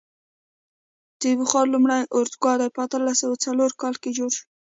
د بخار لومړنی اورګاډی په اتلس سوه څلور کال کې جوړ شو.